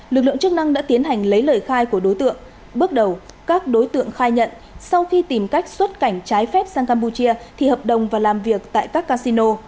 lực lượng chức năng đã tiến hành lấy lời khai của đối tượng bước đầu các đối tượng khai nhận sau khi tìm cách xuất cảnh trái phép sang campuchia thì hợp đồng và làm việc tại các casino